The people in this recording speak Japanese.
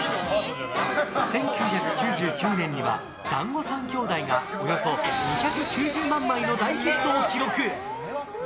１９９９年には「だんご３兄弟」がおよそ２９０万枚の大ヒットを記録。